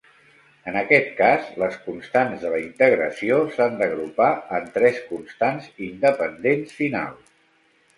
En aquest cas, les constants de la integració s'han d'agrupar en tres constants independents finals.